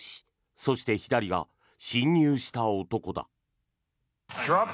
そして左が侵入した男だ。